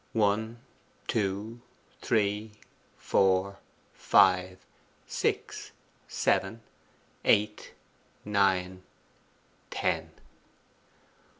One, two, three, four, five, six, seven, eight, nine, TEN.